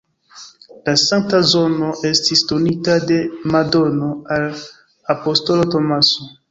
La sankta zono estis donita de Madono al apostolo Tomaso.